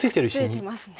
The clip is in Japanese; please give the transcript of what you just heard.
くっついてますね。